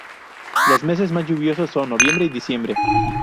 Los meses más lluviosos son noviembre y diciembre.